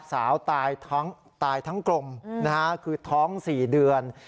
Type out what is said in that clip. สาวตายทั้งกลมนะทั้ง๔เดือน